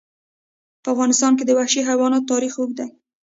په افغانستان کې د وحشي حیواناتو تاریخ اوږد دی.